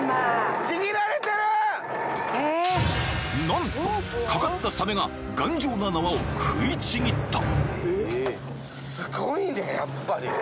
［何と掛かったサメが頑丈な縄を食いちぎった］